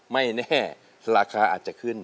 ไม่แน่ราคาอาจจะขึ้น